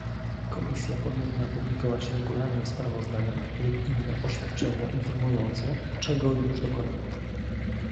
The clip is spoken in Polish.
Komisja powinna publikować regularne sprawozdania lub inne oświadczenia informujące, czego już dokonano